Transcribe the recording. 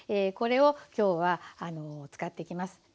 これを今日はあの使っていきます。